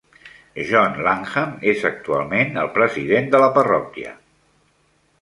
John Lanham es actualment el president de la parròquia.